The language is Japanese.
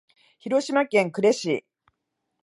広島県呉市